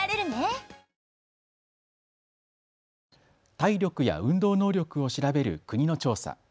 体力や運動能力を調べる国の調査。